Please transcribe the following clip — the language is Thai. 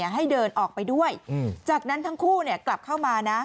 ให้เดินออกไปด้วยจากนั้นทั้งคู่กลับเข้ามานะ